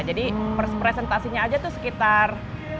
jadi presentasinya aja itu sekitar sepuluh sebelas